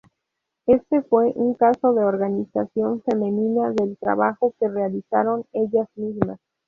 Este fue un caso de organización femenina del trabajo que realizaron ellas mismas.